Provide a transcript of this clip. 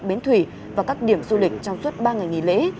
bến thủy và các điểm du lịch trong suốt ba ngày nghỉ lễ